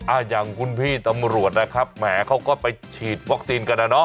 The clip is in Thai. อ่ะอย่างคุณพี่ตำรวจนะครับแหมเขาก็ไปฉีดวัคซีนกันนะเนาะ